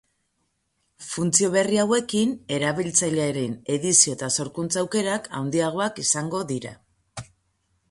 Funtzio berri hauekin, erabiltzailearen edizio eta sorkuntza aukerak handiagoak izango dira.